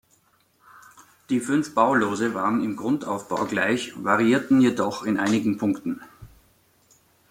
Die fünf Baulose waren im Grundaufbau gleich, variierten jedoch in einigen Punkten.